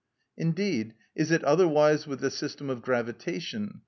Indeed, is it otherwise with the system of gravitation?